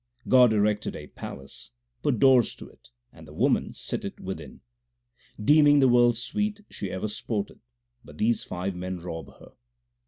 God erected a palace, 2 put doors to it, and the woman 3 sitteth within. Deeming the world sweet, she ever sporteth, but these five men rob her.